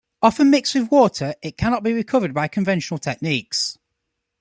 Often mixed with water, it cannot be recovered by conventional techniques.